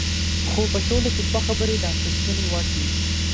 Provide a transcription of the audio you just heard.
خو په ټوله کې دوه خبرې د اخیستنې وړ دي.